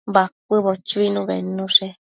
Bacuëbo chuinu bednushe